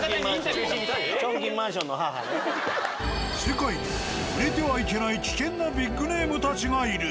世界には触れてはいけない危険なビッグネームたちがいる。